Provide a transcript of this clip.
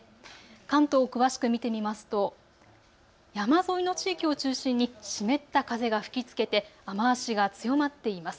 関東を詳しく見てみますと山沿いの地域を中心に湿った風が吹きつけて雨足が強まっています。